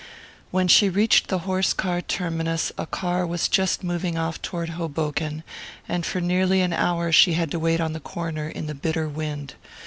When she reached the horse car terminus a car was just moving off toward Hoboken, and for nearly an hour she had to wait on the corner in the bitter wind.